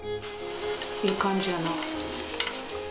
いい感じやな。